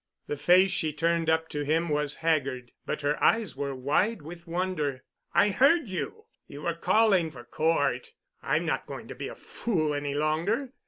The face she turned up to him was haggard, but her eyes were wide with wonder. "I heard you—you were calling for Cort. I'm not going to be a fool any longer."